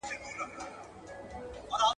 هر ډول لاره پرانستې پرې ايښې وه